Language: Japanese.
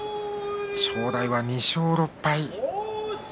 正代は２勝６敗。